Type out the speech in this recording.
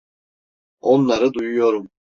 Onları duyuyorum.